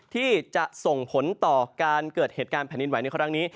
ที่จะส่งผลต่อการเกิดเหตุการณ์แผ่นดินไหวในครั้งนี้